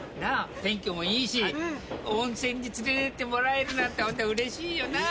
天気もいいし温泉に連れてってもらえるなんてうれしいよな。